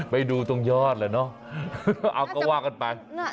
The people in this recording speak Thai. ไปดูตรงยอดแหละเนาะ